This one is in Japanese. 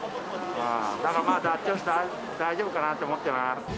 だからまあ大丈夫かなと思ってます。